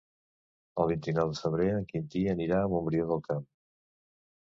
El vint-i-nou de febrer en Quintí anirà a Montbrió del Camp.